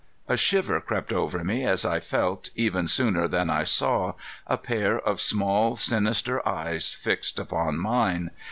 A shiver crept over me as I felt, even sooner than I saw, a pair of small sinister eyes fixed upon mine.